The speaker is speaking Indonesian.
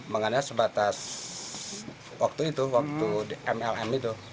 mengenai sebatas waktu itu waktu mlm itu